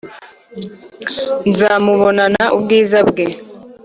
Nzamubonana ubwiza bwe